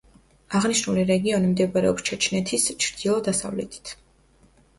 აღნიშნული რეგიონი მდებარეობს ჩეჩნეთის ჩრდილო-დასავლეთით.